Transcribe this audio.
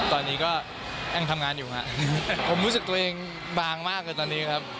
ตอนนี้ก็ยังทำงานอยู่ครับผมรู้สึกตัวเองบางมากเลยตอนนี้ครับ